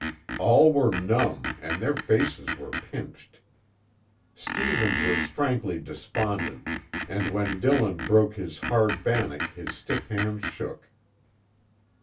All were numb and their faces were pinched. Stevens was frankly despondent, and when Dillon broke his hard bannock his stiff hands shook.